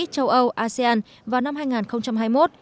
châu âu asean vào năm hai nghìn hai mươi một